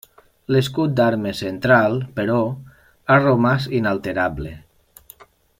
L'escut d'armes central, però, ha romàs inalterable.